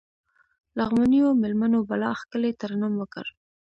لغمانيو مېلمنو بلا ښکلی ترنم وکړ.